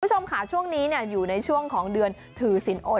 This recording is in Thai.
คุณผู้ชมค่ะช่วงนี้อยู่ในช่วงของเดือนถือสินอด